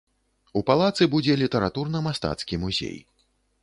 У палацы будзе літаратурна-мастацкі музей.